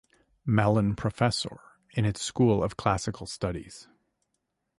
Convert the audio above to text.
Mellon Professor in its School of Classical Studies.